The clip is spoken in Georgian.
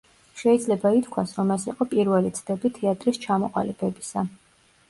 შეიძლება ითქვას, რომ ეს იყო პირველი ცდები თეატრის ჩამოყალიბებისა.